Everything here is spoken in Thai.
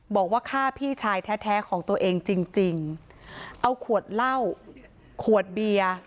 บอกว่าฆ่าพี่ชายแท้แท้ของตัวเองจริงจริงเอาขวดเหล้าขวดเบียร์